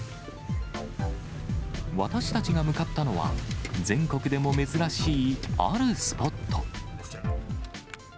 私たちが向かったのは、全国でも珍しい、あるスポット。